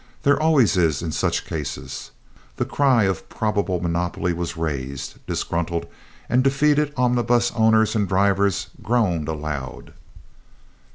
There always is in such cases. The cry of probable monopoly was raised. Disgruntled and defeated omnibus owners and drivers groaned aloud.